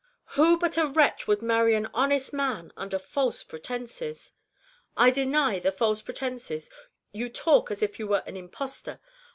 Who but a wretch would marry an honest man under false pretenses?" "I deny the false pretenses! You talk as if you were an impostor.